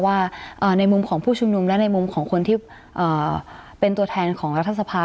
ว่าในมุมของผู้ชุมนุมและในมุมของคนที่เป็นตัวแทนของรัฐสภา